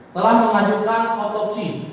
telah melanjutkan otopsi